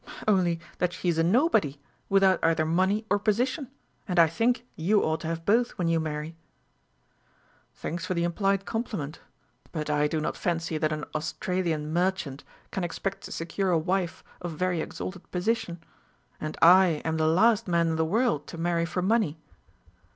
"Only that she is a nobody, without either money or position and I think you ought to have both when you marry." "Thanks for the implied compliment; but I do not fancy that an Australian merchant can expect to secure a wife of very exalted position; and I am the last man in the world to marry for money."